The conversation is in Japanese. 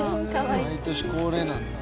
毎年恒例なんだ。